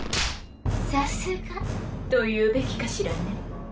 さすがと言うべきかしらね。